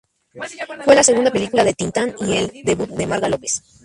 Fue la segunda película de Tin Tan y el debut de Marga López.